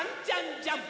ジャンプ！！」